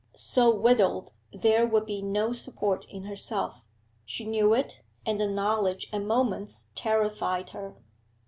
So widowed, there would be no support in herself; she knew it, and the knowledge at moments terrified her.